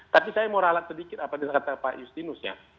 tapi saya mau ralat sedikit apa yang kata pak justinus ya